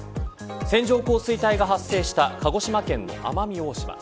線状降水帯が発生した鹿児島県の奄美大島。